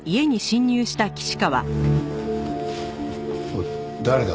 おい誰だ？